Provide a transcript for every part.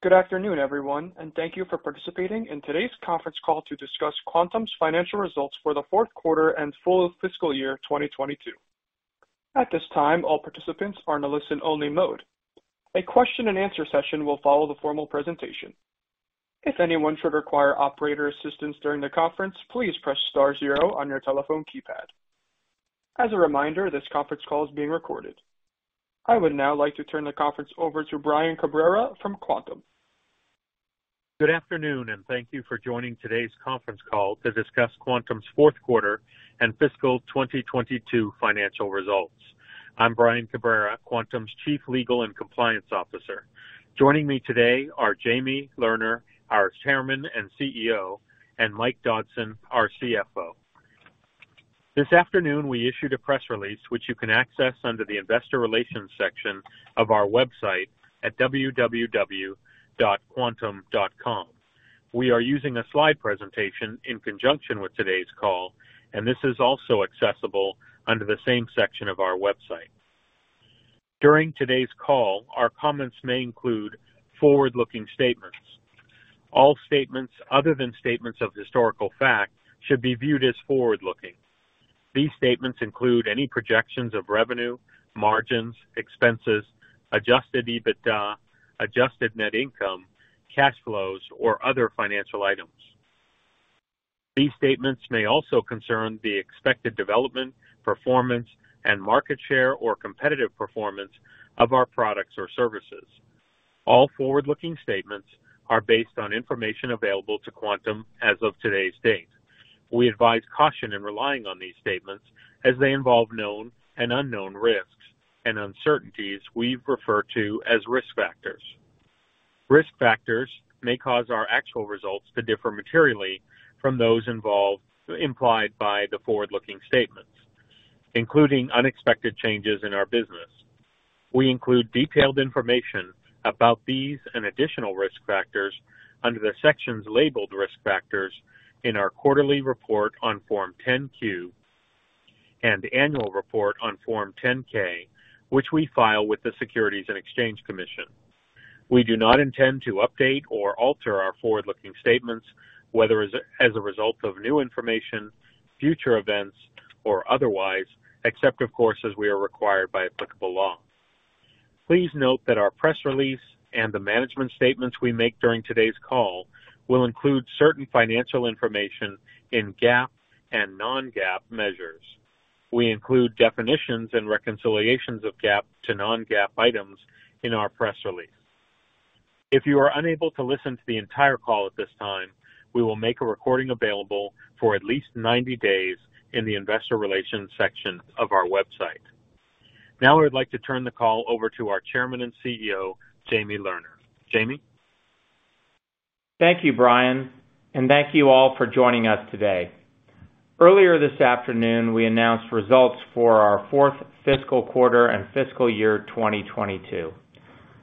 Good afternoon, everyone, and Thank you for participating in today's conference call to discuss Quantum's financial results for the fourth quarter and full fiscal year 2022. At this time, all participants are in a listen-only mode. A question and answer session will follow the formal presentation. If anyone should require operator assistance during the conference, please press star zero on your telephone keypad. As a reminder, this conference call is being recorded. I would now like to turn the conference over to Brian Cabrera from Quantum. Good afternoon and thank you for joining today's conference call to discuss Quantum's fourth quarter and fiscal 2022 financial results. I'm Brian Cabrera, Quantum's Chief Legal and Compliance Officer. Joining me today are Jamie Lerner, our Chairman and CEO, and Mike Dodson, our CFO. This afternoon, we issued a press release which you can access under the investor relations section of our website at www.quantum.com. We are using a slide presentation in conjunction with today's call, and this is also accessible under the same section of our website. During today's call, our comments may include forward-looking statements. All statements other than statements of historical fact should be viewed as forward-looking. These statements include any projections of revenue, margins, expenses, adjusted EBITDA, adjusted net income, cash flows, or other financial items. These statements may also concern the expected development, performance, and market share or competitive performance of our products or services. All forward-looking statements are based on information available to Quantum as of today's date. We advise caution in relying on these statements as they involve known and unknown risks and uncertainties we refer to as risk factors. Risk factors may cause our actual results to differ materially from those implied by the forward-looking statements, including unexpected changes in our business. We include detailed information about these and additional risk factors under the sections labeled Risk Factors in our quarterly report on Form 10-Q and annual report on Form 10-K, which we file with the Securities and Exchange Commission. We do not intend to update or alter our forward-looking statements, whether as a result of new information, future events, or otherwise, except of course, as we are required by applicable law. Please note that our press release and the management statements we make during today's call will include certain financial information in GAAP and non-GAAP measures. We include definitions and reconciliations of GAAP to non-GAAP items in our press release. If you are unable to listen to the entire call at this time, we will make a recording available for at least 90 days in the investor relations section of our website. Now I would like to turn the call over to our Chairman and CEO, Jamie Lerner. Jamie? Thank you, Brian, and thank you all for joining us today. Earlier this afternoon, we announced results for our fourth fiscal quarter and fiscal year 2022.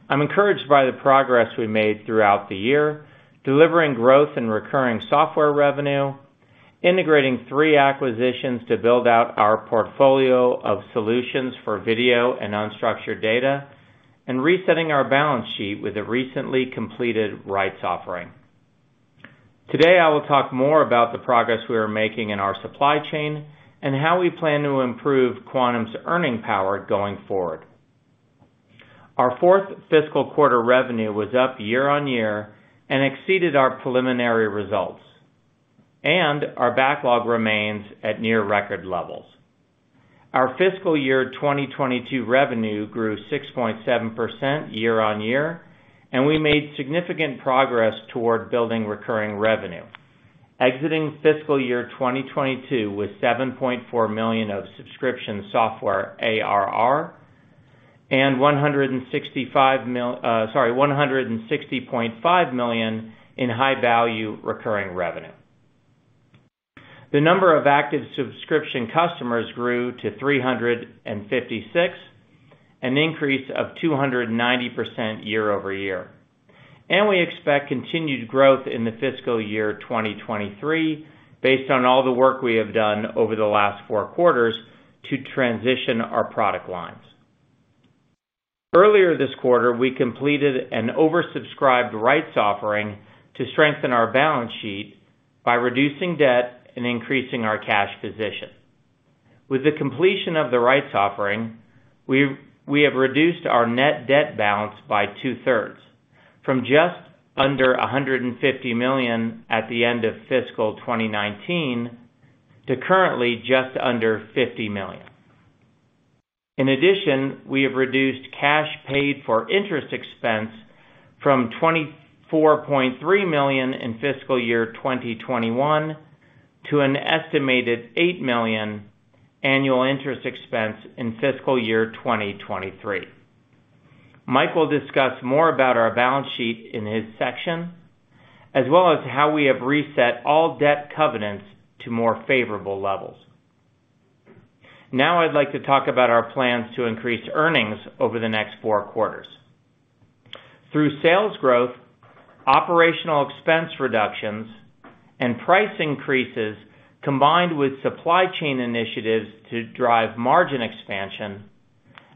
I'm encouraged by the progress we made throughout the year, delivering growth in recurring software revenue, integrating three acquisitions to build out our portfolio of solutions for video and unstructured data, and resetting our balance sheet with a recently completed rights offering. Today, I will talk more about the progress we are making in our supply chain and how we plan to improve Quantum's earning power going forward. Our fourth fiscal quarter revenue was up year-on-year and exceeded our preliminary results, and our backlog remains at near record levels. Our fiscal year 2022 revenue grew 6.7% year-on-year, and we made significant progress toward building recurring revenue. Exiting fiscal year 2022 with $7.4 million of subscription software ARR and $160.5 million in high-value recurring revenue. The number of active subscription customers grew to 356, an increase of 290% year-over-year. We expect continued growth in the fiscal year 2023 based on all the work we have done over the last four quarters to transition our product lines. Earlier this quarter, we completed an oversubscribed rights offering to strengthen our balance sheet by reducing debt and increasing our cash position. With the completion of the rights offering, we have reduced our net debt balance by 2/3 from just under $150 million at the end of fiscal 2019 to currently just under $50 million. In addition, we have reduced cash paid for interest expense from $24.3 million in fiscal year 2021 to an estimated $8 million annual interest expense in fiscal year 2023. Mike will discuss more about our balance sheet in his section, as well as how we have reset all debt covenants to more favorable levels. Now I'd like to talk about our plans to increase earnings over the next four quarters. Through sales growth, operational expense reductions, and price increases, combined with supply chain initiatives to drive margin expansion.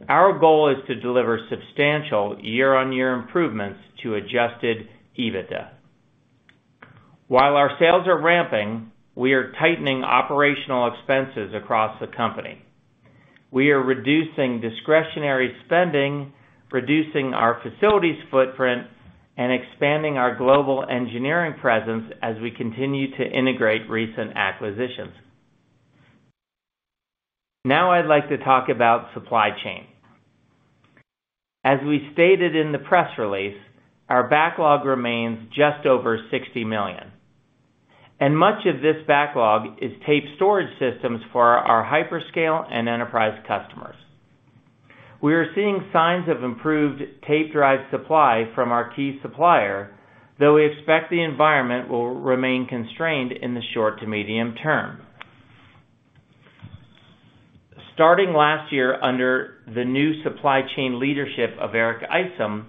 Our goal is to deliver substantial year-on-year improvements to adjusted EBITDA. While our sales are ramping, we are tightening operational expenses across the company. We are reducing discretionary spending, reducing our facilities footprint, and expanding our global engineering presence as we continue to integrate recent acquisitions. Now I'd like to talk about supply chain. As we stated in the press release, our backlog remains just over $60 million. Much of this backlog is tape storage systems for our hyperscale and enterprise customers. We are seeing signs of improved tape drive supply from our key supplier, though we expect the environment will remain constrained in the short to medium term. Starting last year under the new supply chain leadership of Eric Isom,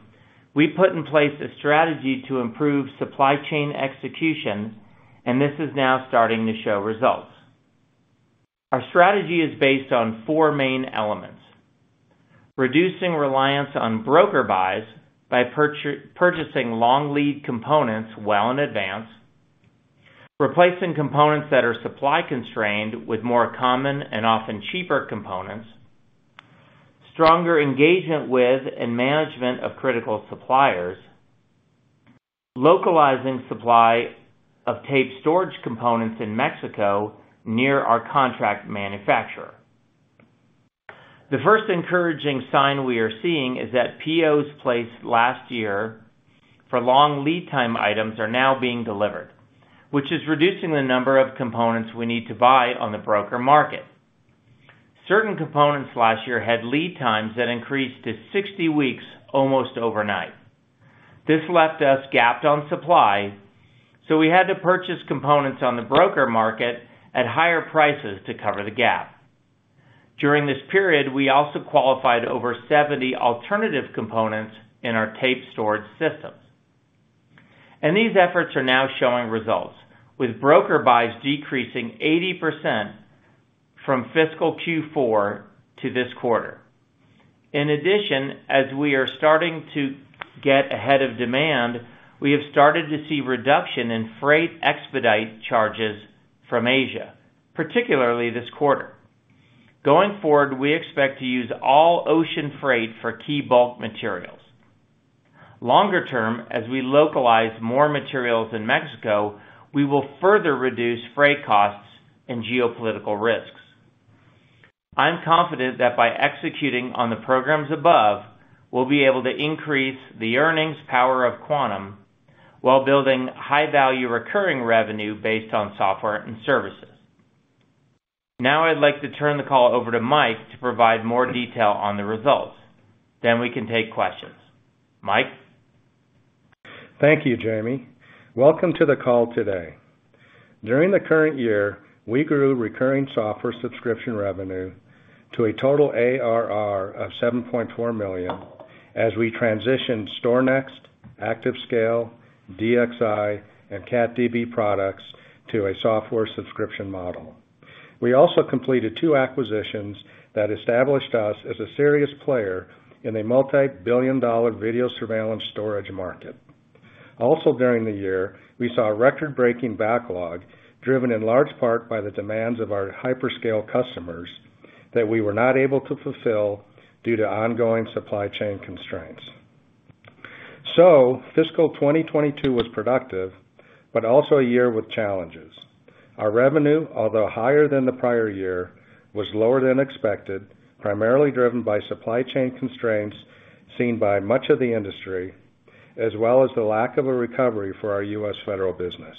we put in place a strategy to improve supply chain execution, and this is now starting to show results. Our strategy is based on four main elements, reducing reliance on broker buys by purchasing long lead components well in advance, replacing components that are supply-constrained with more common and often cheaper components, stronger engagement with and management of critical suppliers, localizing supply of tape storage components in Mexico near our contract manufacturer. The first encouraging sign we are seeing is that POs placed last year for long lead time items are now being delivered, which is reducing the number of components we need to buy on the broker market. Certain components last year had lead times that increased to 60 weeks almost overnight. This left us gapped on supply, so we had to purchase components on the broker market at higher prices to cover the gap. During this period, we also qualified over 70 alternative components in our tape storage systems. These efforts are now showing results, with broker buys decreasing 80% from fiscal Q4 to this quarter. In addition, as we are starting to get ahead of demand, we have started to see reduction in freight expedite charges from Asia, particularly this quarter. Going forward, we expect to use all ocean freight for key bulk materials. Longer term, as we localize more materials in Mexico, we will further reduce freight costs and geopolitical risks. I'm confident that by executing on the programs above, we'll be able to increase the earnings power of Quantum while building high-value recurring revenue based on software and services. Now I'd like to turn the call over to Mike to provide more detail on the results. We can take questions. Mike? Thank you, Jamie. Welcome to the call today. During the current year, we grew recurring software subscription revenue to a total ARR of $7.4 million as we transitioned StorNext, ActiveScale, DXi, and CatDV products to a software subscription model. We also completed two acquisitions that established us as a serious player in a multi-billion dollar video surveillance storage market. Also during the year, we saw a record-breaking backlog driven in large part by the demands of our hyperscale customers that we were not able to fulfill due to ongoing supply chain constraints. Fiscal 2022 was productive, but also a year with challenges. Our revenue, although higher than the prior year, was lower than expected, primarily driven by supply chain constraints seen by much of the industry, as well as the lack of a recovery for our U.S. federal business.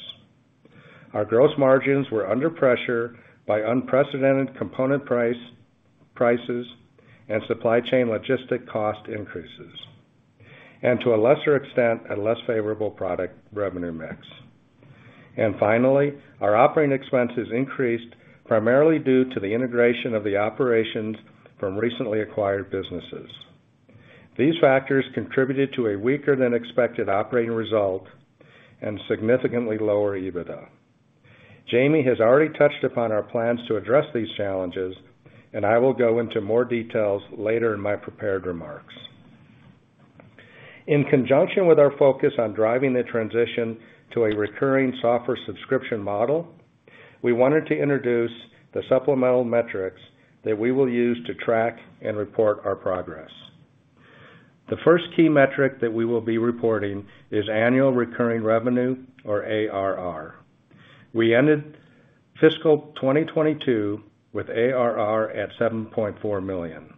Our gross margins were under pressure by unprecedented component prices and supply chain logistics cost increases, and to a lesser extent, a less favorable product revenue mix. Finally, our operating expenses increased primarily due to the integration of the operations from recently acquired businesses. These factors contributed to a weaker than expected operating result and significantly lower EBITDA. Jamie has already touched upon our plans to address these challenges, and I will go into more details later in my prepared remarks. In conjunction with our focus on driving the transition to a recurring software subscription model, we wanted to introduce the supplemental metrics that we will use to track and report our progress. The first key metric that we will be reporting is annual recurring revenue or ARR. We ended fiscal 2022 with ARR at $7.4 million.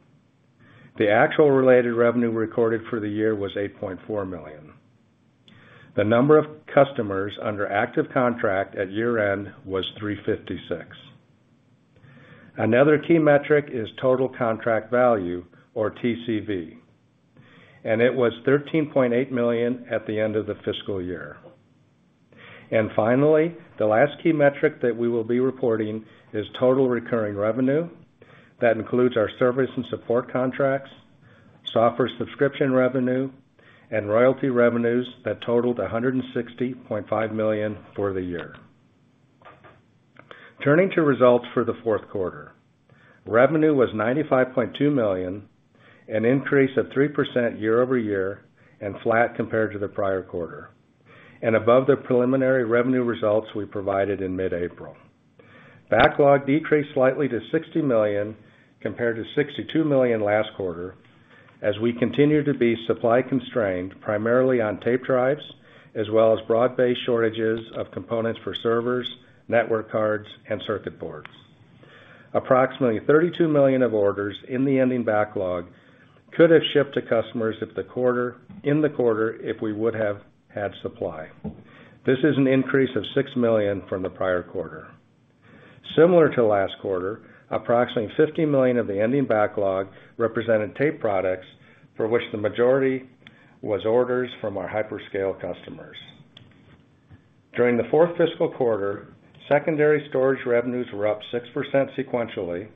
The actual related revenue recorded for the year was $8.4 million. The number of customers under active contract at year-end was 356. Another key metric is total contract value or TCV, and it was $13.8 million at the end of the fiscal year. Finally, the last key metric that we will be reporting is total recurring revenue. That includes our service and support contracts, software subscription revenue, and royalty revenues that totaled $160.5 million for the year. Turning to results for the fourth quarter. Revenue was $95.2 million, an increase of 3% year-over-year and flat compared to the prior quarter, and above the preliminary revenue results we provided in mid-April. Backlog decreased slightly to $60 million compared to $62 million last quarter as we continue to be supply constrained primarily on tape drives as well as broad-based shortages of components for servers, network cards, and circuit boards. Approximately $32 million of orders in the ending backlog could have shipped to customers in the quarter if we would have had supply. This is an increase of $6 million from the prior quarter. Similar to last quarter, approximately $50 million of the ending backlog represented tape products for which the majority was orders from our hyperscale customers. During the fourth fiscal quarter, secondary storage revenues were up 6% sequentially,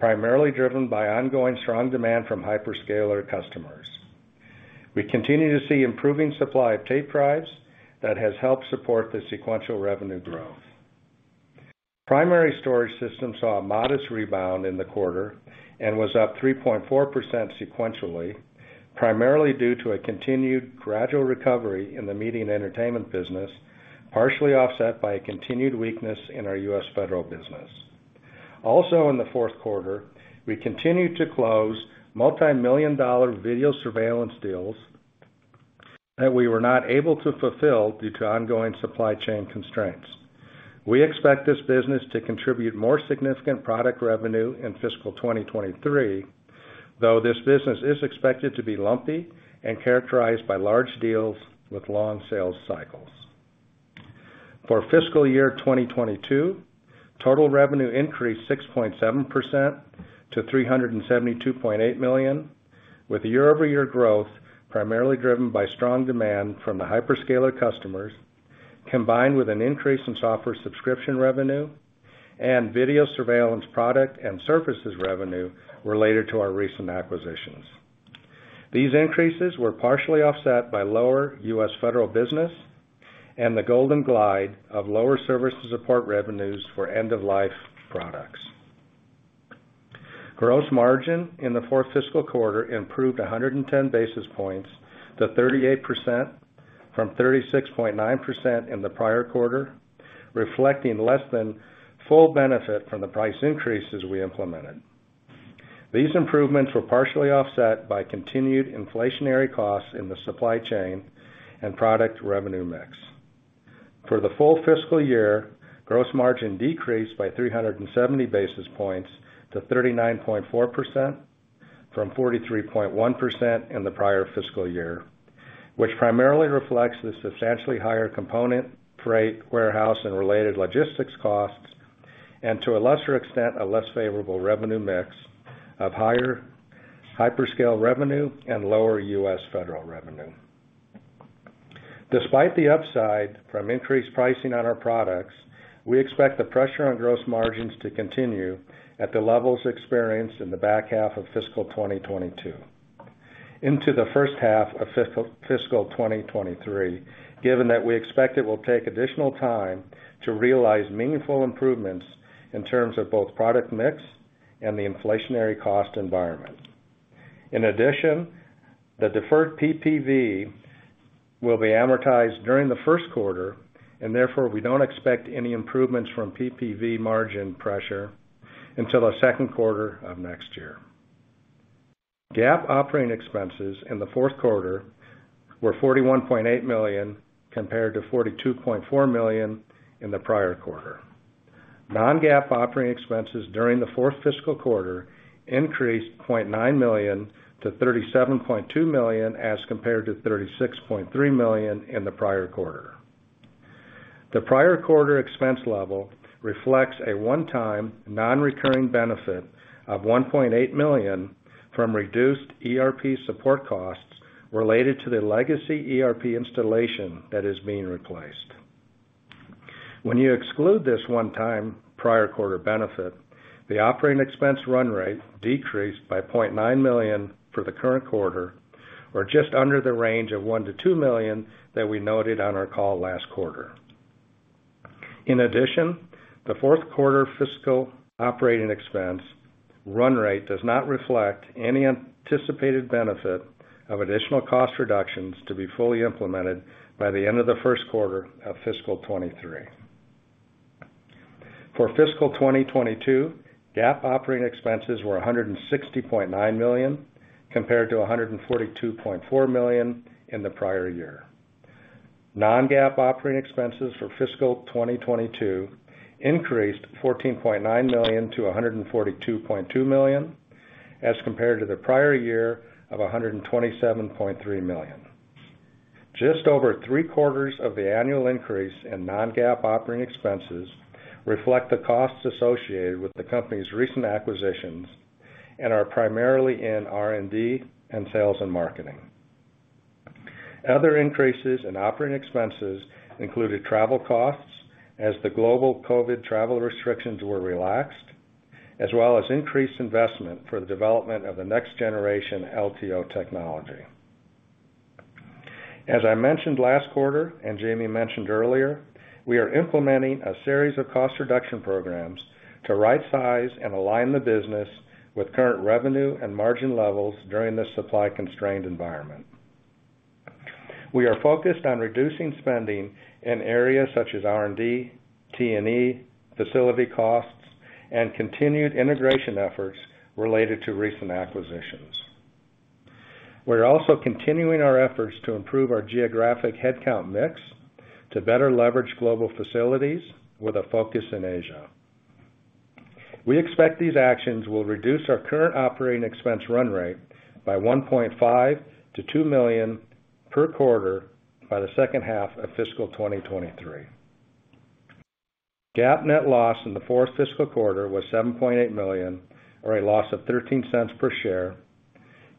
primarily driven by ongoing strong demand from hyperscaler customers. We continue to see improving supply of tape drives that has helped support the sequential revenue growth. Primary storage system saw a modest rebound in the quarter and was up 3.4% sequentially, primarily due to a continued gradual recovery in the media and entertainment business, partially offset by a continued weakness in our U.S. federal business. Also in the fourth quarter, we continued to close multimillion-dollar video surveillance deals that we were not able to fulfill due to ongoing supply chain constraints. We expect this business to contribute more significant product revenue in fiscal 2023, though this business is expected to be lumpy and characterized by large deals with long sales cycles. For fiscal year 2022, total revenue increased 6.7% to $372.8 million, with year-over-year growth primarily driven by strong demand from the hyperscaler customers, combined with an increase in software subscription revenue and video surveillance product and services revenue related to our recent acquisitions. These increases were partially offset by lower U.S. federal business and the gradual decline of lower services support revenues for end-of-life products. Gross margin in the fourth fiscal quarter improved 110 basis points to 38% from 36.9% in the prior quarter, reflecting less than full benefit from the price increases we implemented. These improvements were partially offset by continued inflationary costs in the supply chain and product revenue mix. For the full fiscal year, gross margin decreased by 370 basis points to 39.4% from 43.1% in the prior fiscal year, which primarily reflects the substantially higher component, freight, warehouse, and related logistics costs, and to a lesser extent, a less favorable revenue mix of higher hyperscale revenue and lower U.S. federal revenue. Despite the upside from increased pricing on our products, we expect the pressure on gross margins to continue at the levels experienced in the back half of fiscal 2022 into the first half of fiscal 2023, given that we expect it will take additional time to realize meaningful improvements in terms of both product mix and the inflationary cost environment. In addition, the deferred PPV will be amortized during the first quarter, and therefore, we don't expect any improvements from PPV margin pressure until the second quarter of next year. GAAP operating expenses in the fourth quarter were $41.8 million compared to $42.4 million in the prior quarter. Non-GAAP operating expenses during the fourth fiscal quarter increased $0.9 million to $37.2 million as compared to $36.3 million in the prior quarter. The prior quarter expense level reflects a one-time, non-recurring benefit of $1.8 million from reduced ERP support costs related to the legacy ERP installation that is being replaced. When you exclude this one-time prior quarter benefit, the operating expense run rate decreased by $0.9 million for the current quarter or just under the range of $1-$2 million that we noted on our call last quarter. In addition, the fourth quarter fiscal operating expense run rate does not reflect any anticipated benefit of additional cost reductions to be fully implemented by the end of the first quarter of fiscal 2023. For fiscal 2022, GAAP operating expenses were $160.9 million, compared to $142.4 million in the prior year. Non-GAAP operating expenses for fiscal 2022 increased $14.9 million to $142.2 million, as compared to the prior year of $127.3 million. Just over three-quarters of the annual increase in non-GAAP operating expenses reflect the costs associated with the company's recent acquisitions and are primarily in R&D and sales and marketing. Other increases in operating expenses included travel costs as the global COVID travel restrictions were relaxed, as well as increased investment for the development of the next-generation LTO technology. As I mentioned last quarter, and Jamie mentioned earlier, we are implementing a series of cost reduction programs to right size and align the business with current revenue and margin levels during this supply-constrained environment. We are focused on reducing spending in areas such as R&D, T&E, facility costs, and continued integration efforts related to recent acquisitions. We're also continuing our efforts to improve our geographic headcount mix to better leverage global facilities with a focus in Asia. We expect these actions will reduce our current operating expense run rate by $1.5-$2 million per quarter by the second half of fiscal 2023. GAAP net loss in the fourth fiscal quarter was $7.8 million, or a loss of $0.13 per share,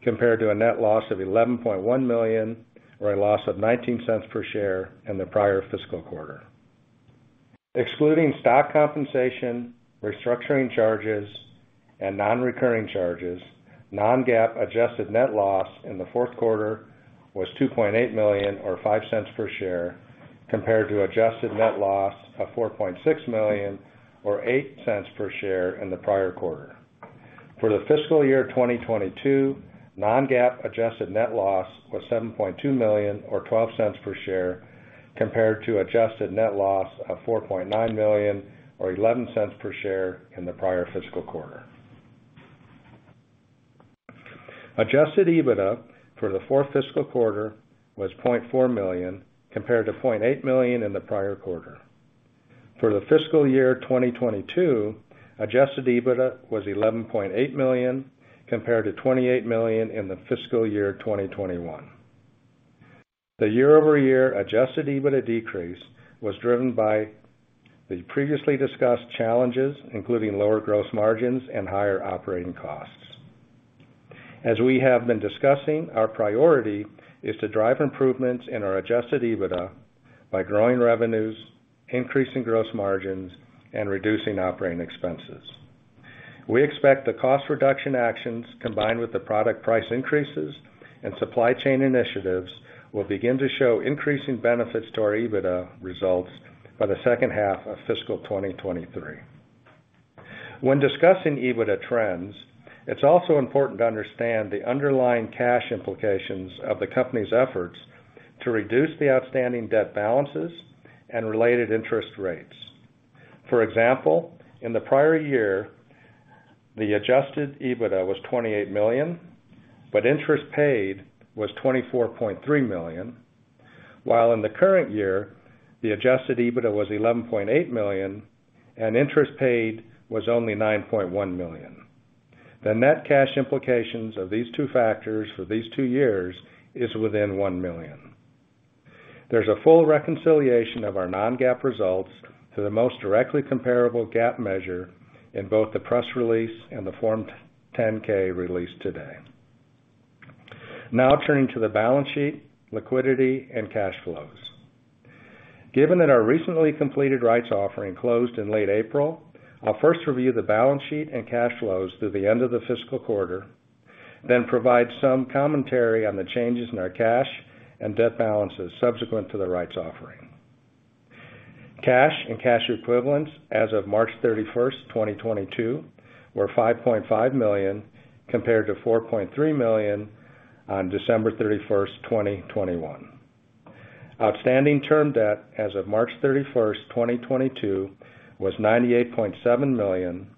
compared to a net loss of $11.1 million, or a loss of $0.19 per share in the prior fiscal quarter. Excluding stock compensation, restructuring charges, and non-recurring charges, non-GAAP adjusted net loss in the fourth quarter was $2.8 million or $0.05 per share, compared to adjusted net loss of $4.6 million or $0.08 per share in the prior quarter. For the fiscal year 2022, non-GAAP adjusted net loss was $7.2 million or $0.12 per share, compared to adjusted net loss of $4.9 million or $0.11 per share in the prior fiscal quarter. Adjusted EBITDA for the fourth fiscal quarter was $0.4 million compared to $0.8 million in the prior quarter. For the fiscal year 2022, adjusted EBITDA was $11.8 million compared to $28 million in the fiscal year 2021. The year-over-year adjusted EBITDA decrease was driven by the previously discussed challenges, including lower gross margins and higher operating costs. As we have been discussing, our priority is to drive improvements in our adjusted EBITDA by growing revenues, increasing gross margins, and reducing operating expenses. We expect the cost reduction actions combined with the product price increases and supply chain initiatives will begin to show increasing benefits to our EBITDA results by the second half of fiscal 2023. When discussing EBITDA trends, it's also important to understand the underlying cash implications of the company's efforts to reduce the outstanding debt balances and related interest rates. For example, in the prior year, the adjusted EBITDA was $28 million, but interest paid was $24.3 million. While in the current year, the adjusted EBITDA was $11.8 million, and interest paid was only $9.1 million. The net cash implications of these two factors for these two years is within $1 million. There's a full reconciliation of our non-GAAP results to the most directly comparable GAAP measure in both the press release and the Form 10-K released today. Now turning to the balance sheet, liquidity, and cash flows. Given that our recently completed rights offering closed in late April, I'll first review the balance sheet and cash flows through the end of the fiscal quarter, then provide some commentary on the changes in our cash and debt balances subsequent to the rights offering. Cash and cash equivalents as of March 31st, 2022 were $5.5 million compared to $4.3 million on December 31st, 2021. Outstanding term debt as of March 31st, 2022 was $98.7 million.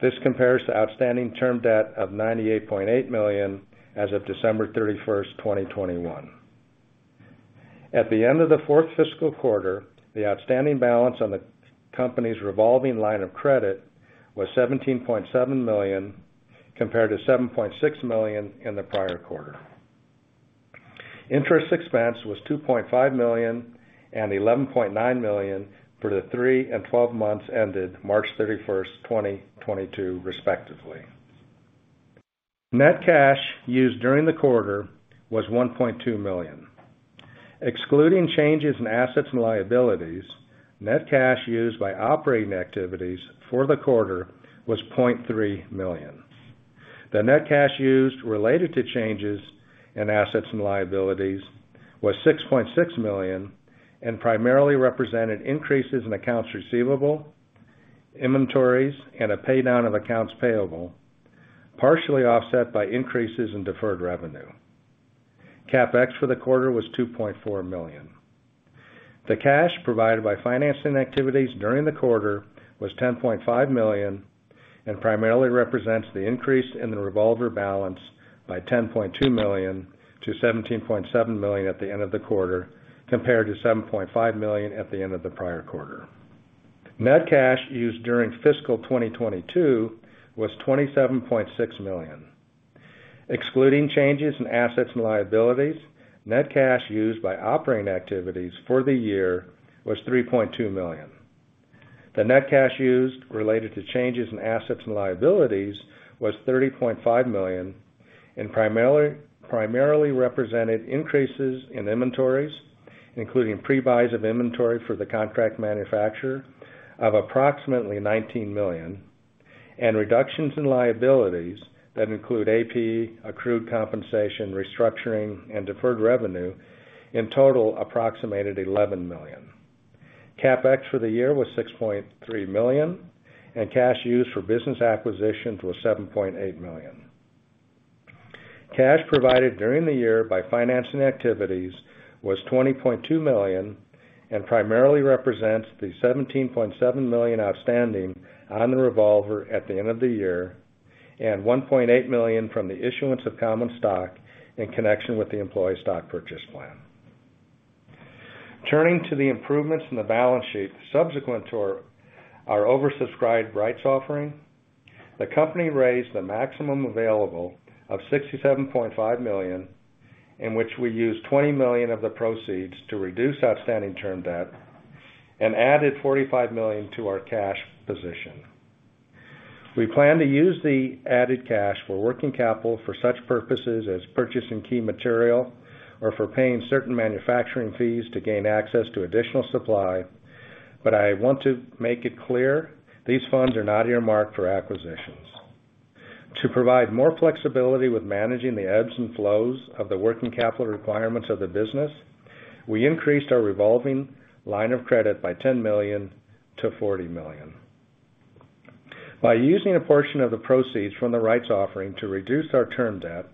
This compares to outstanding term debt of $98.8 million as of December 31st, 2021. At the end of the fourth fiscal quarter, the outstanding balance on the company's revolving line of credit was $17.7 million, compared to $7.6 million in the prior quarter. Interest expense was $2.5 million and $11.9 million for the three and 12 months ended March 31st, 2022, respectively. Net cash used during the quarter was $1.2 million. Excluding changes in assets and liabilities, net cash used by operating activities for the quarter was $0.3 million. The net cash used related to changes in assets and liabilities was $6.6 million and primarily represented increases in accounts receivable, inventories, and a pay down of accounts payable, partially offset by increases in deferred revenue. CapEx for the quarter was $2.4 million. The cash provided by financing activities during the quarter was $10.5 million and primarily represents the increase in the revolver balance by $10.2 million to $17.7 million at the end of the quarter, compared to $7.5 million at the end of the prior quarter. Net cash used during fiscal 2022 was $27.6 million. Excluding changes in assets and liabilities, net cash used by operating activities for the year was $3.2 million. The net cash used related to changes in assets and liabilities was $30.5 million and primarily represented increases in inventories, including pre-buys of inventory for the contract manufacturer of approximately $19 million. Reductions in liabilities that include AP, accrued compensation, restructuring, and deferred revenue in total approximated $11 million. CapEx for the year was $6.3 million, and cash used for business acquisitions was $7.8 million. Cash provided during the year by financing activities was $20.2 million, and primarily represents the $17.7 million outstanding on the revolver at the end of the year, and $1.8 million from the issuance of common stock in connection with the employee stock purchase plan. Turning to the improvements in the balance sheet subsequent to our oversubscribed rights offering, the company raised the maximum available of $67.5 million, in which we used $20 million of the proceeds to reduce outstanding term debt and added $45 million to our cash position. We plan to use the added cash for working capital for such purposes as purchasing key material or for paying certain manufacturing fees to gain access to additional supply. I want to make it clear these funds are not earmarked for acquisitions. To provide more flexibility with managing the ebbs and flows of the working capital requirements of the business, we increased our revolving line of credit by $10 million-$40 million. By using a portion of the proceeds from the rights offering to reduce our term debt,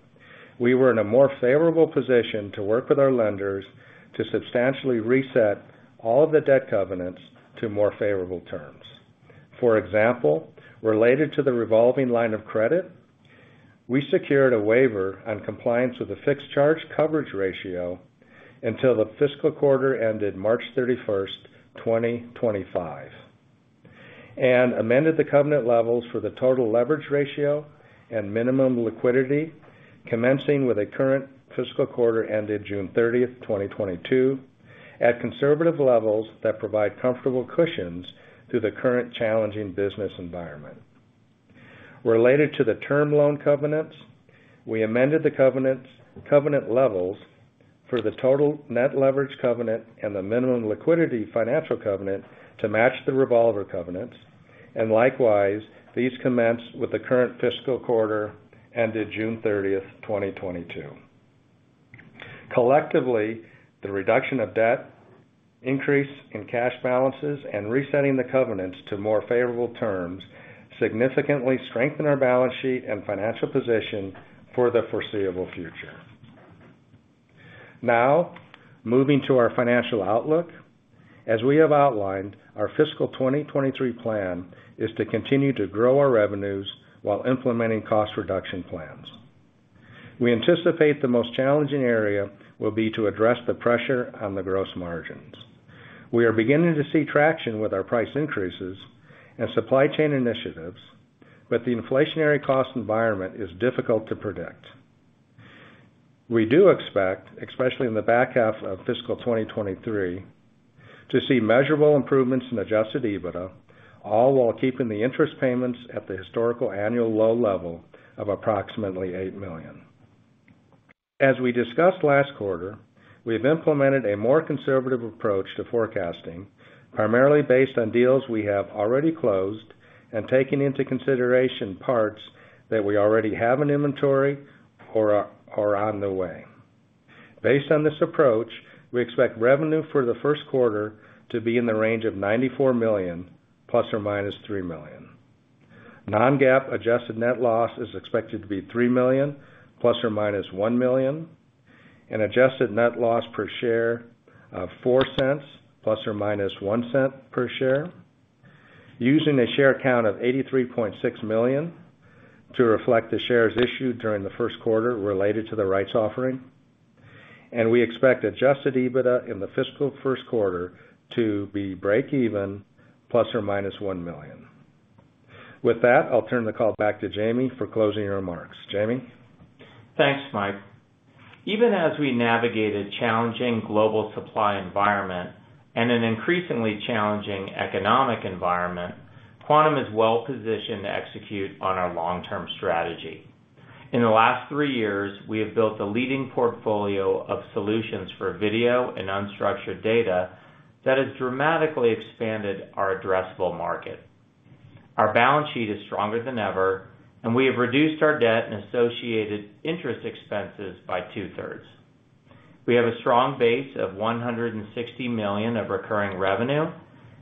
we were in a more favorable position to work with our lenders to substantially reset all of the debt covenants to more favorable terms. For example, related to the revolving line of credit, we secured a waiver on compliance with the fixed charge coverage ratio until the fiscal quarter ended March 31st, 2025, and amended the covenant levels for the total leverage ratio and minimum liquidity, commencing with the current fiscal quarter ended June 30th, 2022, at conservative levels that provide comfortable cushions through the current challenging business environment. Related to the term loan covenants, we amended the covenant levels for the total net leverage covenant and the minimum liquidity financial covenant to match the revolver covenants. These commenced with the current fiscal quarter ended June 30th, 2022. Collectively, the reduction of debt, increase in cash balances, and resetting the covenants to more favorable terms significantly strengthen our balance sheet and financial position for the foreseeable future. Now, moving to our financial outlook. As we have outlined, our fiscal 2023 plan is to continue to grow our revenues while implementing cost reduction plans. We anticipate the most challenging area will be to address the pressure on the gross margins. We are beginning to see traction with our price increases and supply chain initiatives, but the inflationary cost environment is difficult to predict. We do expect, especially in the back half of fiscal 2023, to see measurable improvements in adjusted EBITDA, all while keeping the interest payments at the historical annual low level of approximately $8 million. As we discussed last quarter, we have implemented a more conservative approach to forecasting, primarily based on deals we have already closed and taking into consideration parts that we already have in inventory or are on the way. Based on this approach, we expect revenue for the first quarter to be in the range of $94 million ± $3 million. Non-GAAP adjusted net loss is expected to be $3 million ± $1 million, and adjusted net loss per share of $0.04 ± $0.01 per share, using a share count of 83.6 million to reflect the shares issued during the first quarter related to the rights offering. We expect adjusted EBITDA in the fiscal first quarter to be breakeven ± $1 million. With that, I'll turn the call back to Jamie for closing remarks. Jamie. Thanks, Mike. Even as we navigate a challenging global supply environment and an increasingly challenging economic environment, Quantum is well positioned to execute on our long-term strategy. In the last three years, we have built a leading portfolio of solutions for video and unstructured data that has dramatically expanded our addressable market. Our balance sheet is stronger than ever, and we have reduced our debt and associated interest expenses by two-thirds. We have a strong base of $160 million of recurring revenue,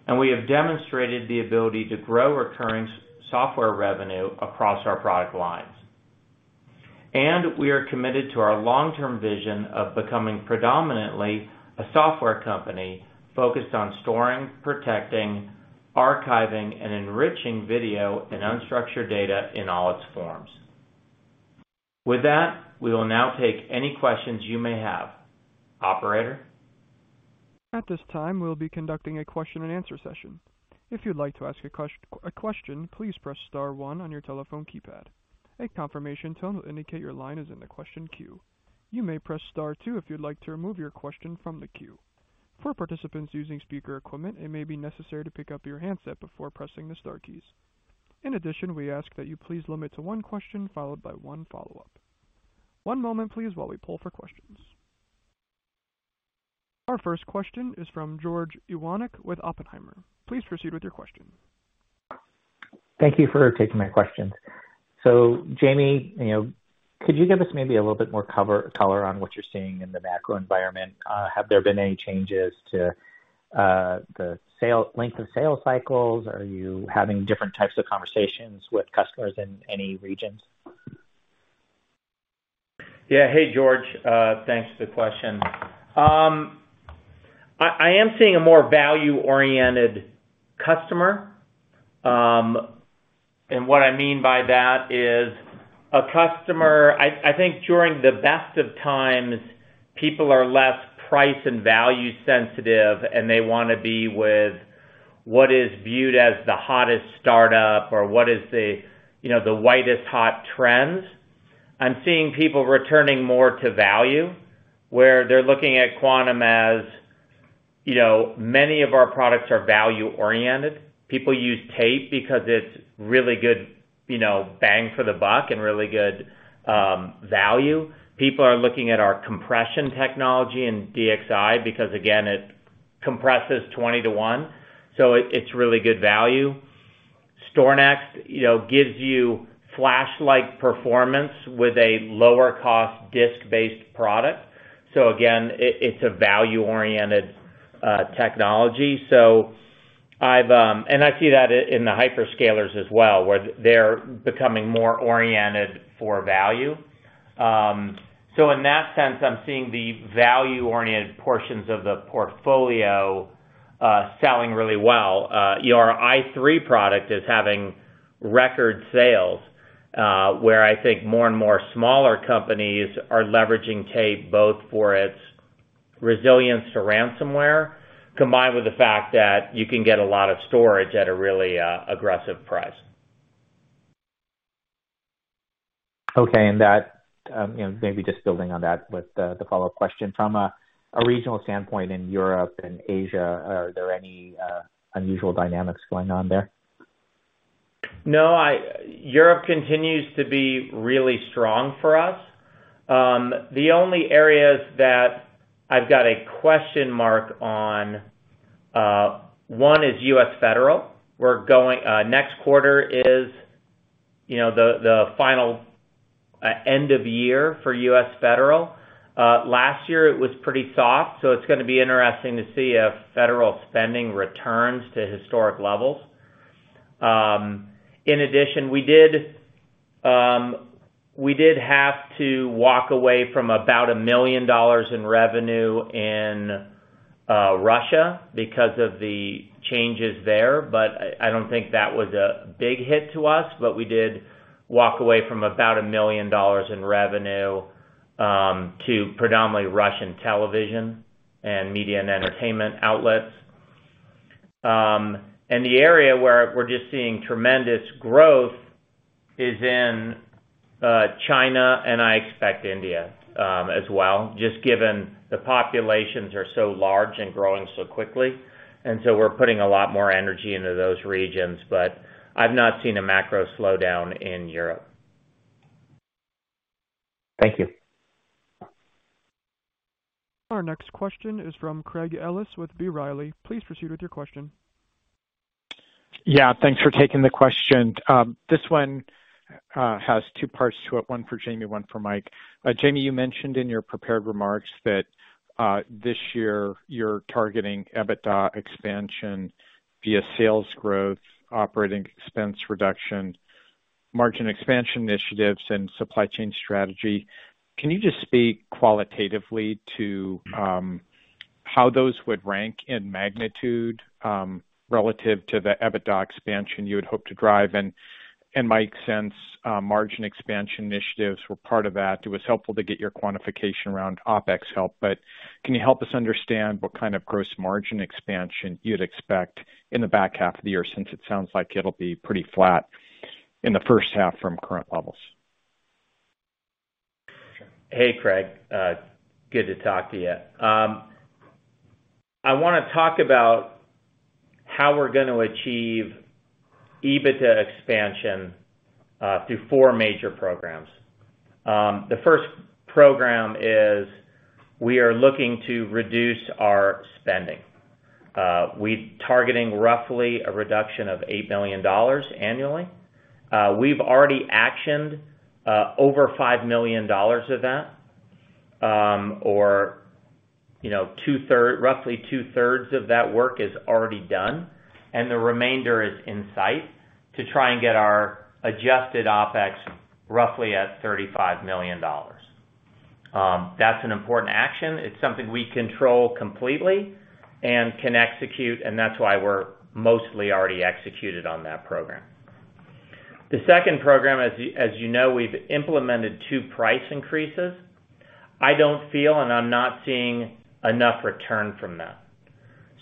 and we have demonstrated the ability to grow recurring software revenue across our product lines. We are committed to our long-term vision of becoming predominantly a software company focused on storing, protecting, archiving, and enriching video and unstructured data in all its forms. With that, we will now take any questions you may have. Operator? At this time, we'll be conducting a question and answer session. If you'd like to ask a question, please press star one on your telephone keypad. A confirmation tone will indicate your line is in the question queue. You may press star two if you'd like to remove your question from the queue. For participants using speaker equipment, it may be necessary to pick up your handset before pressing the star keys. In addition, we ask that you please limit to one question followed by one follow-up. One moment, please, while we pull for questions. Our first question is from George Iwanyc with Oppenheimer. Please proceed with your question. Thank you for taking my questions. Jamie, you know, could you give us maybe a little bit more color on what you're seeing in the macro environment? Have there been any changes to the length of sales cycles? Are you having different types of conversations with customers in any regions? Yeah. Hey, George. Thanks for the question. I am seeing a more value-oriented customer. What I mean by that is a customer. I think during the best of times, people are less price and value sensitive, and they wanna be with what is viewed as the hottest startup or what is the, you know, the widest hot trends. I'm seeing people returning more to value, where they're looking at Quantum as, you know, many of our products are value oriented. People use tape because it's really good, you know, bang for the buck and really good value. People are looking at our compression technology in DXi because again, it compresses 20-1, so it's really good value. StorNext, you know, gives you flash-like performance with a lower cost disk-based product. It's a value-oriented technology. I've seen that in the hyperscalers as well, where they're becoming more oriented for value. In that sense, I'm seeing the value-oriented portions of the portfolio selling really well. Our Scalar i3 product is having record sales, where I think more and more smaller companies are leveraging tape both for its resilience to ransomware, combined with the fact that you can get a lot of storage at a really aggressive price. Okay. That, you know, maybe just building on that with the follow question. From a regional standpoint in Europe and Asia, are there any unusual dynamics going on there? No, Europe continues to be really strong for us. The only areas that I've got a question mark on; one is U.S. federal. Next quarter is, you know, the final end of year for U.S. federal. Last year it was pretty soft, so it's gonna be interesting to see if federal spending returns to historic levels. In addition, we did have to walk away from about $1 million in revenue in Russia because of the changes there, but I don't think that was a big hit to us. We did walk away from about $1 million in revenue to predominantly Russian television and media and entertainment outlets. The area where we're just seeing tremendous growth is in China and I expect India as well, just given the populations are so large and growing so quickly. We're putting a lot more energy into those regions. I've not seen a macro slowdown in Europe. Thank you. Our next question is from Craig Ellis with B. Riley. Please proceed with your question. Yeah, thanks for taking the question. This one has two parts to it, one for Jamie, one for Mike. Jamie, you mentioned in your prepared remarks that this year you're targeting EBITDA expansion via sales growth, operating expense reduction, margin expansion initiatives, and supply chain strategy. Can you just speak qualitatively to how those would rank in magnitude relative to the EBITDA expansion you would hope to drive? And Mike, since margin expansion initiatives were part of that, it was helpful to get your quantification around OpEx help. But can you help us understand what kind of gross margin expansion you'd expect in the back half of the year, since it sounds like it'll be pretty flat in the first half from current levels? Hey, Craig. Good to talk to you. I wanna talk about how we're gonna achieve EBITDA expansion through four major programs. The first program is we are looking to reduce our spending. We're targeting roughly a reduction of $8 million annually. We've already actioned over $5 million of that, you know, roughly two-thirds of that work is already done, and the remainder is in sight to try and get our adjusted OpEx roughly at $35 million. That's an important action. It's something we control completely and can execute, and that's why we're mostly already executed on that program. The second program, as you know, we've implemented two price increases. I don't feel, and I'm not seeing enough return from them.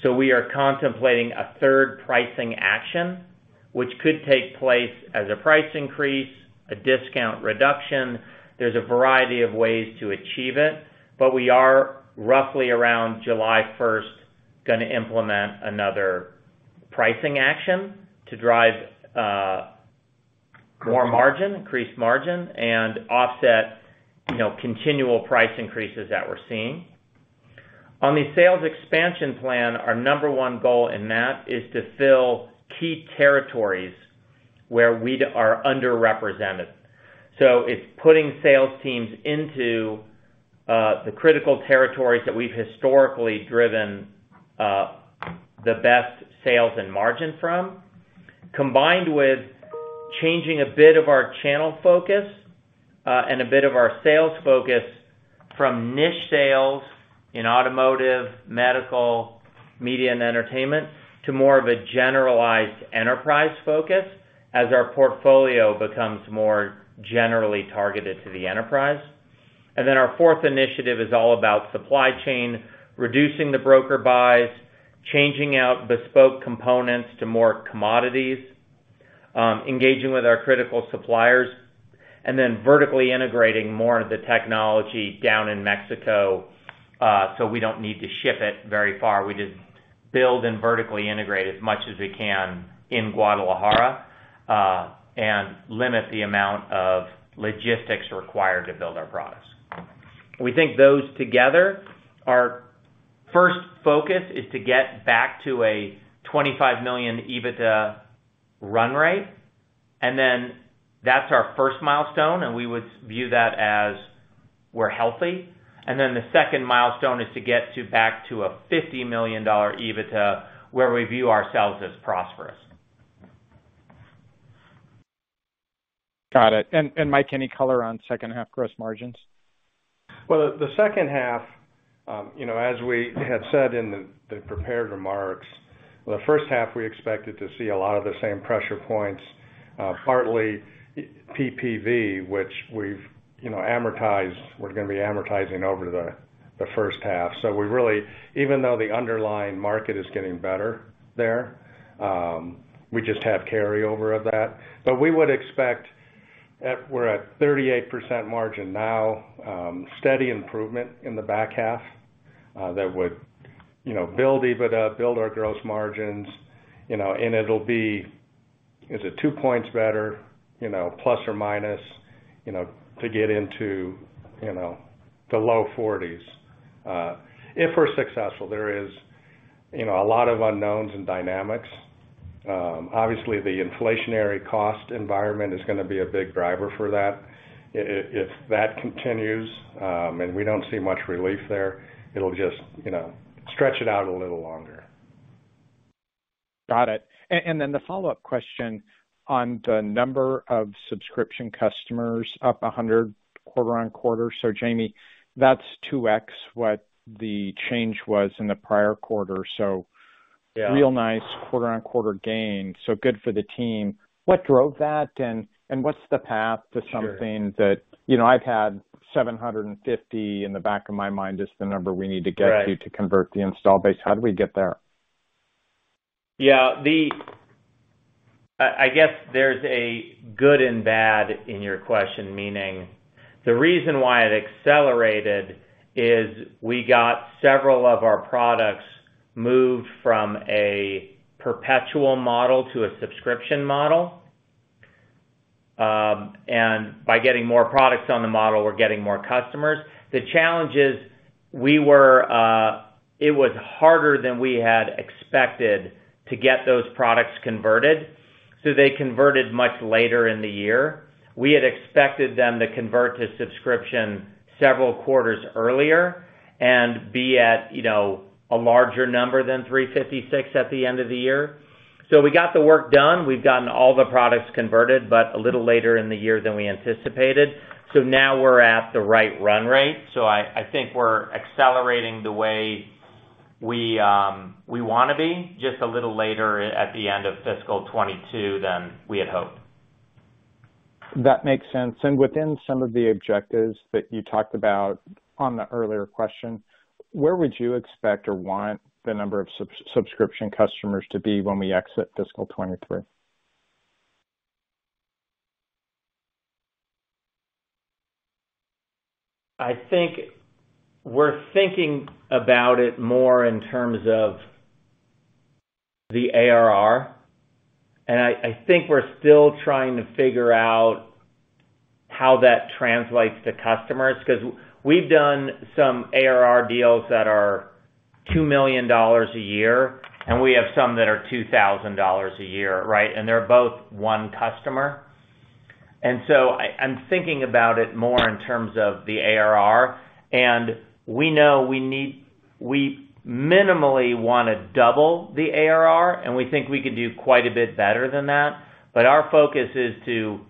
We are contemplating a third pricing action, which could take place as a price increase, a discount reduction. There's a variety of ways to achieve it. We are roughly around July 1st gonna implement another pricing action to drive more margin, increased margin, and offset, you know, continual price increases that we're seeing. On the sales expansion plan, our number one goal in that is to fill key territories where we are underrepresented. It's putting sales teams into the critical territories that we've historically driven the best sales and margin from, combined with changing a bit of our channel focus and a bit of our sales focus from niche sales in automotive, medical, media, and entertainment to more of a generalized enterprise focus as our portfolio becomes more generally targeted to the enterprise. Our fourth initiative is all about supply chain, reducing the broker buys, changing out bespoke components to more commodities, engaging with our critical suppliers, and then vertically integrating more of the technology down in Mexico, so we don't need to ship it very far. We just build and vertically integrate as much as we can in Guadalajara, and limit the amount of logistics required to build our products. We think those together, our first focus is to get back to a $25 million EBITDA run rate, and then that's our first milestone, and we would view that as we're healthy. The second milestone is to get to back to a $50 million EBITDA where we view ourselves as prosperous. Got it. Mike, any color on second half gross margins? Well, the second half, you know, as we had said in the prepared remarks, well, the first half, we expected to see a lot of the same pressure points, partly PPV, which we've, you know, amortized. We're gonna be amortizing over the first half. Even though the underlying market is getting better there, we just have carryover of that. We would expect, we're at 38% margin now, steady improvement in the back half, that would, you know, build EBITDA, build our gross margins, you know, and it'll be, is it 2 points better, you know, plus or minus, you know, to get into, you know, the low 40s, if we're successful. There is, you know, a lot of unknowns and dynamics. Obviously, the inflationary cost environment is gonna be a big driver for that. If that continues, and we don't see much relief there, it'll just, you know, stretch it out a little longer. Got it. The follow-up question on the number of subscription customers up 100 quarter-over-quarter. Jamie, that's 2x what the change was in the prior quarter. Yeah. Real nice quarter-over-quarter gain, so good for the team. What drove that and what's the path to something? Sure. That, you know, I've had 750 in the back of my mind is the number we need to get to. Right. To convert the install base. How do we get there? Yeah. I guess there's a good and bad in your question. Meaning the reason why it accelerated is we got several of our products moved from a perpetual model to a subscription model. By getting more products on the model, we're getting more customers. The challenge is it was harder than we had expected to get those products converted, so they converted much later in the year. We had expected them to convert to subscription several quarters earlier and be at, you know, a larger number than $356 at the end of the year. We got the work done. We've gotten all the products converted, but a little later in the year than we anticipated. Now we're at the right run rate. I think we're accelerating the way we wanna be, just a little later at the end of fiscal 2022 than we had hoped. That makes sense. Within some of the objectives that you talked about on the earlier question, where would you expect or want the number of subscription customers to be when we exit fiscal 2023? I think we're thinking about it more in terms of the ARR, and I think we're still trying to figure out how that translates to customers. Cause we've done some ARR deals that are $2 million a year, and we have some that are $2,000 a year, right? They're both one customer. I'm thinking about it more in terms of the ARR, and we know we minimally wanna double the ARR, and we think we could do quite a bit better than that. Our focus is to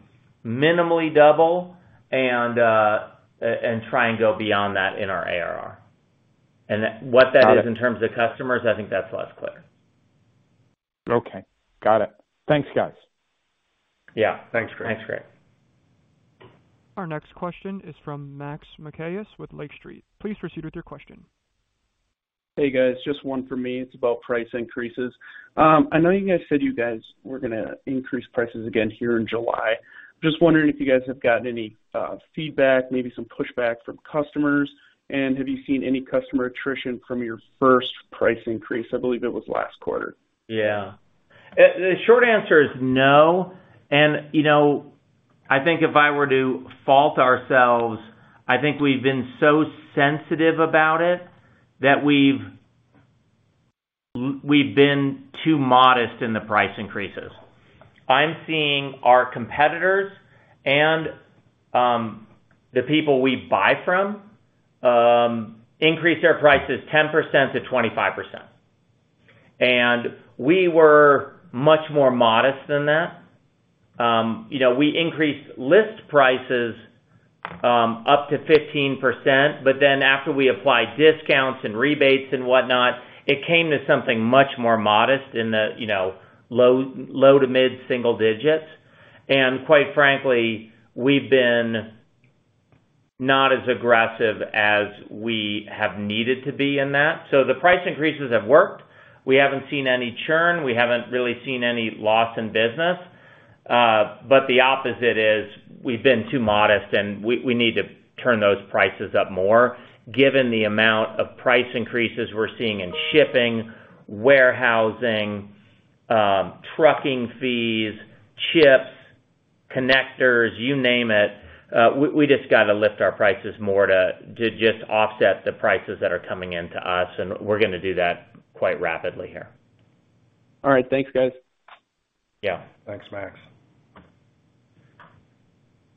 minimally double and try and go beyond that in our ARR. Got it. What that is in terms of customers, I think that's less clear. Okay. Got it. Thanks, guys. Yeah. Thanks, Craig. Thanks, Craig. Our next question is from Max Michaelis with Lake Street. Please proceed with your question. Hey, guys. Just one for me. It's about price increases. I know you guys said you guys were gonna increase prices again here in July. Just wondering if you guys have gotten any, feedback, maybe some pushback from customers. Have you seen any customer attrition from your first price increase? I believe it was last quarter. Yeah. The short answer is no. You know, I think if I were to fault ourselves, I think we've been so sensitive about it that we've been too modest in the price increases. I'm seeing our competitors and the people we buy from increase their prices 10%-25%. We were much more modest than that. We increased list prices up to 15%, but then after we applied discounts and rebates and whatnot, it came to something much more modest in the low to mid-single digits. Quite frankly, we've been not as aggressive as we have needed to be in that. The price increases have worked. We haven't seen any churn. We haven't really seen any loss in business. The opposite is we've been too modest, and we need to turn those prices up more given the amount of price increases we're seeing in shipping, warehousing, trucking fees, chips, connectors, you name it. We just got to lift our prices more to just offset the prices that are coming into us, and we're gonna do that quite rapidly here. All right. Thanks, guys. Yeah. Thanks, Max.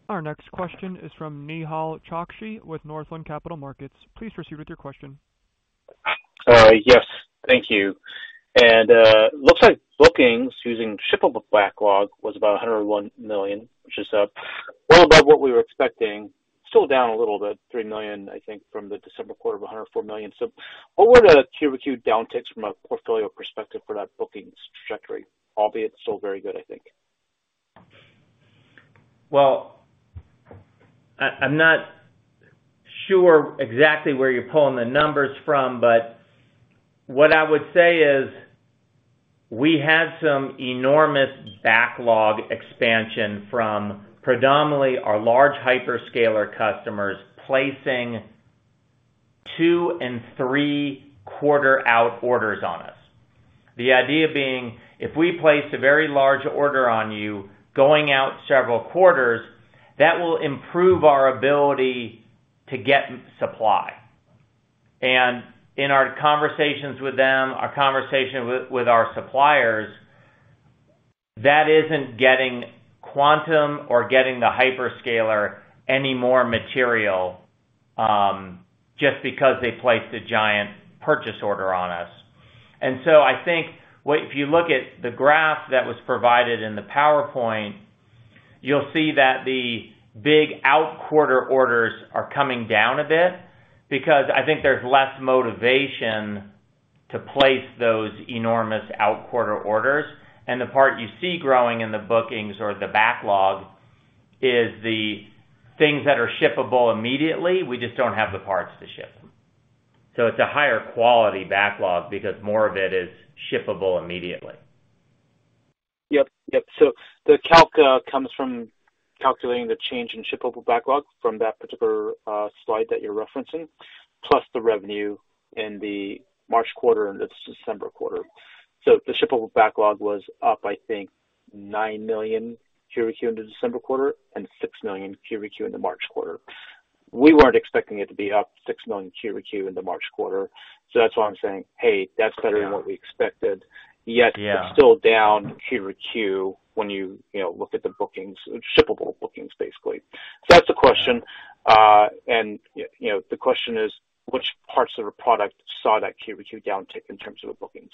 Our next question is from Nehal Chokshi with Northland Capital Markets. Please proceed with your question. Yes. Thank you. Looks like bookings using shippable backlog was about $101 million, which is well above what we were expecting. Still down a little bit, $3 million, I think, from the December quarter of $104 million. What were the quarter-over-quarter downticks from a portfolio perspective for that booking's trajectory, albeit still very good, I think? I'm not sure exactly where you're pulling the numbers from, but what I would say is we had some enormous backlog expansion from predominantly our large hyperscaler customers placing two and three quarter out orders on us. The idea being, if we place a very large order on you going out several quarters, that will improve our ability to get supply. In our conversations with them, our conversation with our suppliers, that isn't getting Quantum or getting the hyperscaler any more material just because they placed a giant purchase order on us. I think if you look at the graph that was provided in the PowerPoint, you'll see that the big out-quarter orders are coming down a bit because I think there's less motivation to place those enormous out-quarter orders. The part you see growing in the bookings or the backlog is the things that are shippable immediately, we just don't have the parts to ship. It's a higher quality backlog because more of it is shippable immediately. Yep. The calc comes from calculating the change in shippable backlog from that particular slide that you're referencing, plus the revenue in the March quarter and the December quarter. The shippable backlog was up, I think, $9 million quarter-over-quarter in the December quarter and $6 million quarter-over-quarte in the March quarter. We werqen't expecting it to be up $6 million quarter-over-quarter in the March quarter. That's why I'm saying, hey, that's better than what we expected. Yeah. Yet it's still down quarter-over-quarter when you know, look at the bookings, shippable bookings, basically. That's the question. You know, the question is, which parts of the product saw that quarter-over-quarter downtick in terms of the bookings?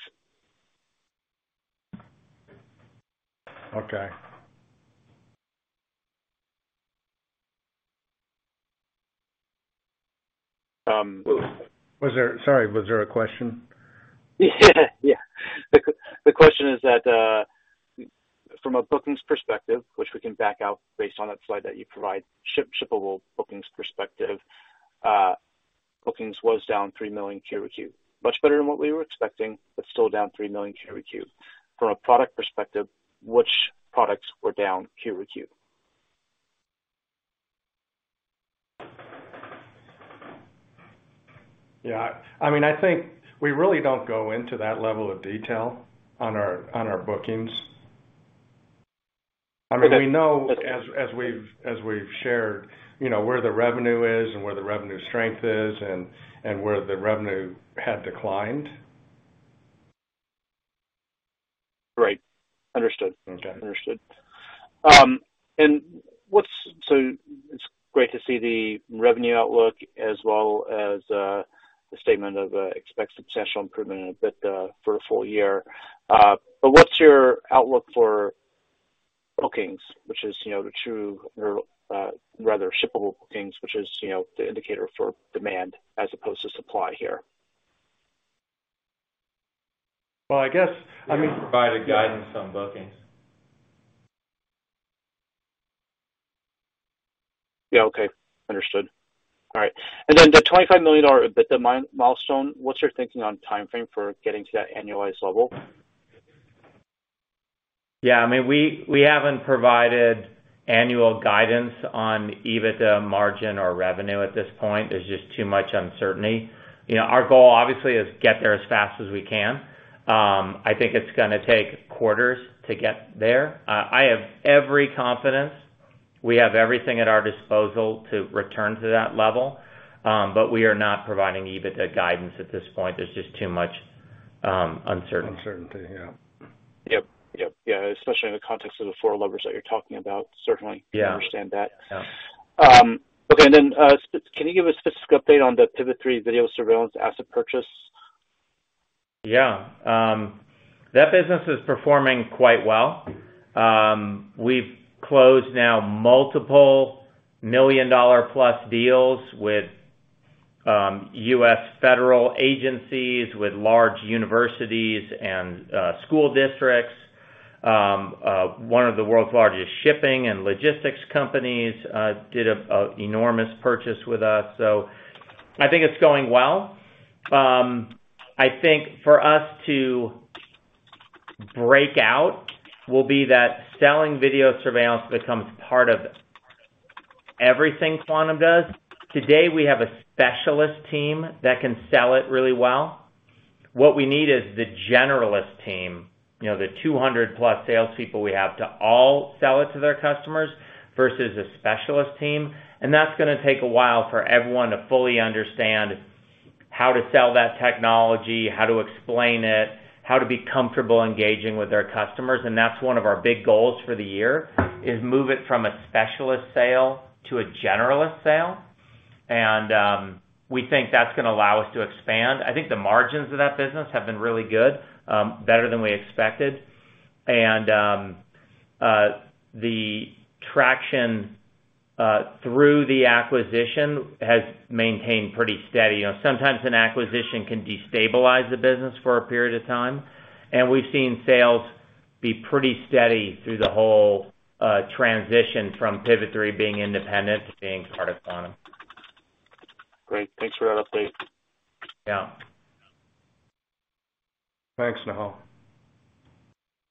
Okay. Um- Sorry, was there a question? Yeah. The question is that, from a bookings perspective, which we can back out based on that slide that you provide, shippable bookings perspective, bookings was down $3 million quarter-over-quarter. Much better than what we were expecting, but still down $3 million quarter-over-quarter. From a product perspective, which products were down quarter-over-quarter? Yeah, I mean, I think we really don't go into that level of detail on our bookings. I mean, we know as we've shared, you know, where the revenue is and where the revenue strength is and where the revenue had declined. Right. Understood. Okay. Understood. It's great to see the revenue outlook as well as the statement of expected substantial improvement in EBITDA for a full year. What's your outlook for bookings, which is, you know, the true or rather shippable bookings, which is, you know, the indicator for demand as opposed to supply here. Well, I guess, I mean. We don't provide a guidance on bookings. Yeah. Okay. Understood. All right. The $25 million EBITDA milestone, what's you're thinking on timeframe for getting to that annualized level? Yeah, I mean, we haven't provided annual guidance on EBITDA margin or revenue at this point. There's just too much uncertainty. You know, our goal, obviously, is get there as fast as we can. I think it's gonna take quarters to get there. We have everything at our disposal to return to that level, but we are not providing EBITDA guidance at this point. There's just too much uncertainty. Uncertainty, yeah. Yep, yep. Yeah, especially in the context of the four levers that you're talking about. Certainly. Yeah. Can understand that. Yeah. Can you give a specific update on the Pivot3 Video Surveillance asset purchase? Yeah. That business is performing quite well. We've closed now multiple million-dollar-plus deals with U.S. federal agencies, with large universities and school districts. One of the world's largest shipping and logistics companies did an enormous purchase with us. I think it's going well. I think for us to break out will be that selling video surveillance becomes part of everything Quantum does. Today, we have a specialist team that can sell it really well. What we need is the generalist team, you know, the 200+ salespeople we have to all sell it to their customers versus a specialist team. That's gonna take a while for everyone to fully understand how to sell that technology, how to explain it, how to be comfortable engaging with their customers, and that's one of our big goals for the year, is move it from a specialist sale to a generalist sale. We think that's gonna allow us to expand. I think the margins of that business have been really good, better than we expected. The traction through the acquisition has maintained pretty steady. You know, sometimes an acquisition can destabilize the business for a period of time, and we've seen sales be pretty steady through the whole transition from Pivot3 being independent to being part of Quantum. Great. Thanks for that update. Yeah. Thanks, Nehal.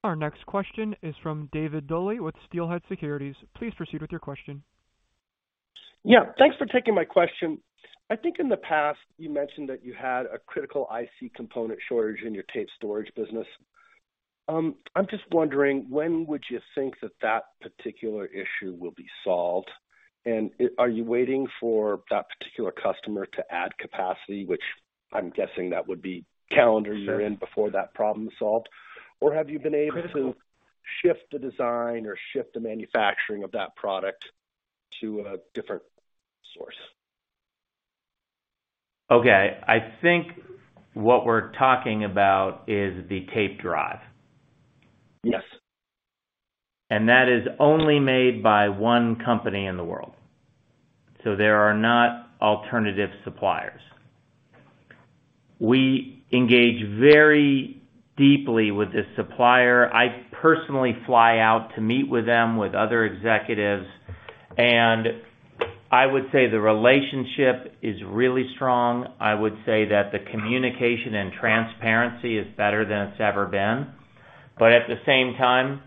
Our next question is from David Duley with Steelhead Securities. Please proceed with your question. Yeah, thanks for taking my question. I think in the past you mentioned that you had a critical IC component shortage in your tape storage business. I'm just wondering, when would you think that particular issue will be solved? Are you waiting for that particular customer to add capacity, which I'm guessing that would be calendar year-end before that problem is solved? Or have you been able to shift the design or shift the manufacturing of that product to a different source? Okay. I think what we're talking about is the tape drive. Yes. That is only made by one company in the world. There are no alternative suppliers. We engage very deeply with this supplier. I personally fly out to meet with them, with other executives, and I would say the relationship is really strong. I would say that the communication and transparency is better than it's ever been. At the same time,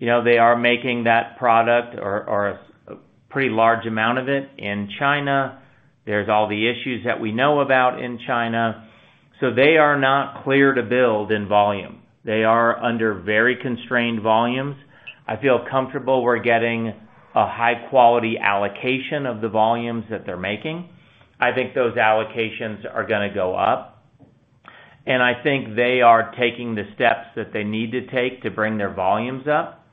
you know, they are making that product or a pretty large amount of it in China. There are all the issues that we know about in China. They are not able to build in volume. They are under very constrained volumes. I feel comfortable we're getting a high-quality allocation of the volumes that they're making. I think those allocations are gonna go up, and I think they are taking the steps that they need to take to bring their volumes up.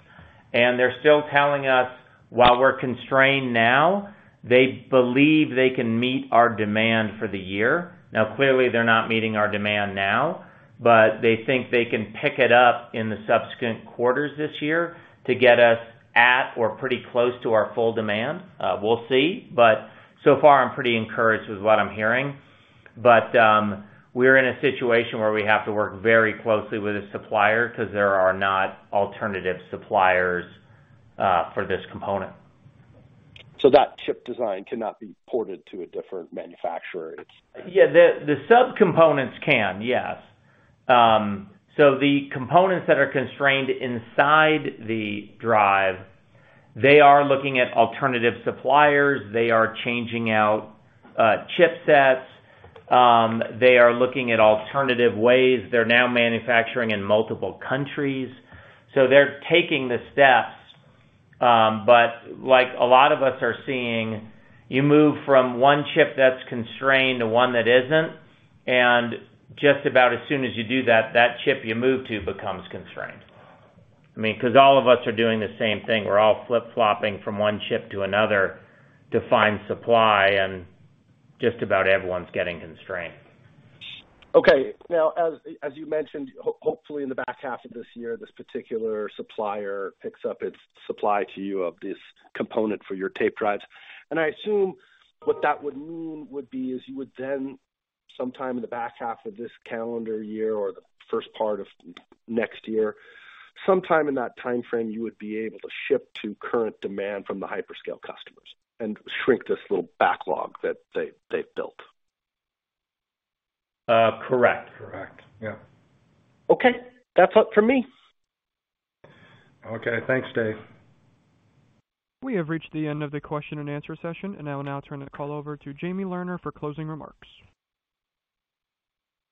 They're still telling us, while we're constrained now, they believe they can meet our demand for the year. Now, clearly, they're not meeting our demand now, but they think they can pick it up in the subsequent quarters this year to get us at or pretty close to our full demand. We'll see, but so far, I'm pretty encouraged with what I'm hearing. We're in a situation where we have to work very closely with the supplier cause there are no alternative suppliers for this component. That chip design cannot be ported to a different manufacturer. Yeah. The subcomponents can, yes. The components that are constrained inside the drive, they are looking at alternative suppliers. They are changing out chipsets. They are looking at alternative ways. They're now manufacturing in multiple countries. They're taking the steps, but like a lot of us are seeing, you move from one chip that's constrained to one that isn't, and just about as soon as you do that chip you move to becomes constrained. I mean, cause all of us are doing the same thing. We're all flip-flopping from one chip to another to find supply, and just about everyone's getting constrained. Okay. Now, as you mentioned, hopefully in the back half of this year, this particular supplier picks up its supply to you of this component for your tape drives. I assume what that would mean would be is you would then, sometime in the back half of this calendar year or the first part of next year, sometime in that timeframe, you would be able to ship to current demand from the hyperscale customers and shrink this little backlog that they've built. Correct. Correct. Yeah. Okay. That's all for me. Okay. Thanks, Dave. We have reached the end of the question-and-answer session. I will now turn the call over to Jamie Lerner for closing remarks.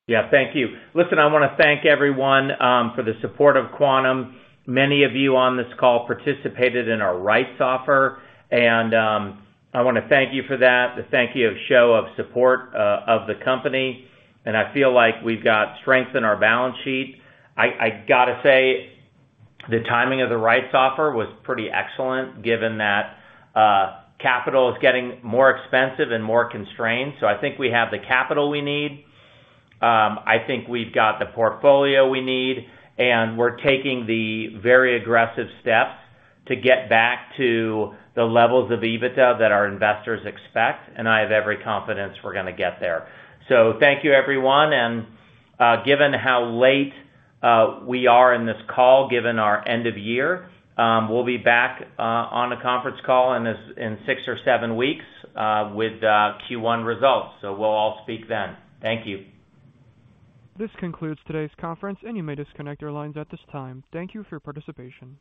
Yeah. Thank you. Listen, I wanna thank everyone for the support of Quantum. Many of you on this call participated in our rights offer, and I wanna thank you for that, for your show of support for the company. I feel like we've got strength in our balance sheet. I gotta say, the timing of the rights offer was pretty excellent given that capital is getting more expensive and more constrained. I think we have the capital we need. I think we've got the portfolio we need, and we're taking the very aggressive steps to get back to the levels of EBITDA that our investors expect, and I have every confidence we're gonna get there. Thank you, everyone. Given how late we are in this call, given our end of year, we'll be back on a conference call in six or seven weeks with Q1 results. We'll all speak then. Thank you. This concludes today's conference, and you may disconnect your lines at this time. Thank you for your participation.